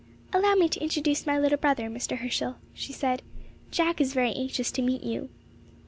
"Allow me to introduce my little brother, Mr. Herschel," she said. "Jack is very anxious to meet you."